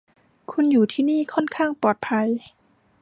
คุณอยู่ที่นี่ค่อนข้างปลอดภัย